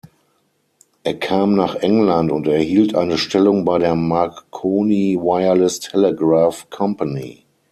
Er kam nach England und erhielt eine Stellung bei der Marconi Wireless Telegraph Company.